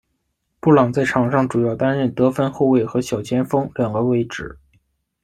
布朗在场上主要担任得分后卫和小前锋两个位置。